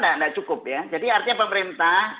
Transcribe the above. tidak cukup ya jadi artinya pemerintah